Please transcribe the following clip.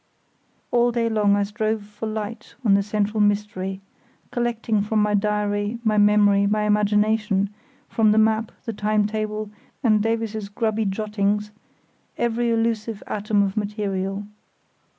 All day long I strove for light on the central mystery, collecting from my diary, my memory, my imagination, from the map, the time table, and Davies's grubby jottings, every elusive atom of material.